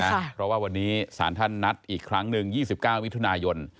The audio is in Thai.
เพราะว่าวันนี้ศาลท่านนัดอีกครั้งหนึ่ง๒๙มิถุนายน